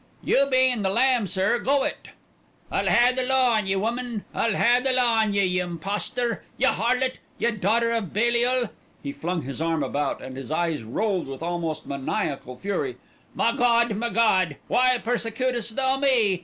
"You bein' the lamb, sir, go it!" said Bindle. "I'll hae the law on ye, woman, I'll hae the law on ye! Ye impostor! Ye harlot!! Ye daughter of Belial!!!" He flung his arm about, and his eyes rolled with almost maniacal fury. "Ma God! ma God! Why persecuteth Thou me?"